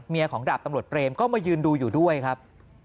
ของดาบตำรวจเปรมก็มายืนดูอยู่ด้วยครับ